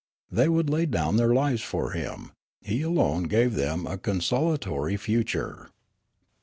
They would lay down their lives for him ; he alone gave them a consolatory future.